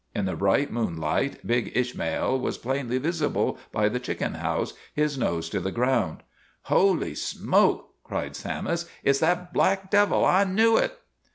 In the bright moonlight big Ishmael was plainly visible by the chicken house, his nose to the ground. "Holy Smoke!" cried Sammis. " It 's that black devil. I knew it."